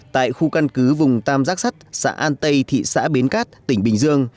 tại khu căn cứ vùng tam giác sắt xã an tây thị xã bến cát tỉnh bình dương